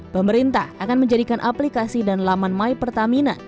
pemerintah akan menjadikan aplikasi dan laman mypertamina